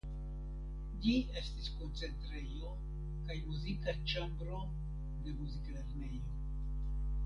Ĝi estis koncertejo kaj muzika ĉambro de muziklernejo.